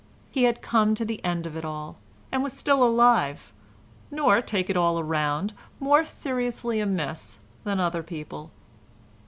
He had come to the end of it all, and was still alive, nor, take it all round, more seriously amiss than other people.